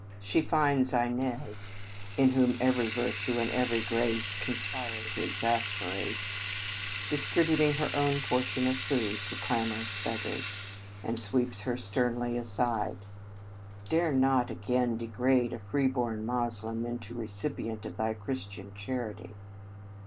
She finds Inez in whom every virtue and every grace conspire to exasper ate distributing her own portion of food to clamorous beggars, and sweeps her sternly aside: "Dare not again degrade a freeborn Moslem into a re cipient of thy Christian chanty."